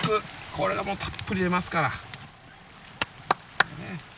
これがもうたっぷり出ますから。